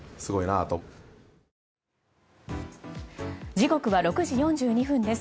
時刻は６時４２分です。